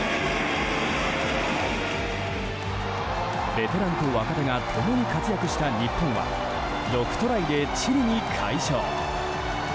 ベテランと若手が共に活躍した日本は６トライでチリに快勝。